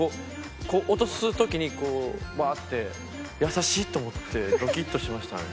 落とす時にこうバッて優しい！と思ってドキッとしましたね。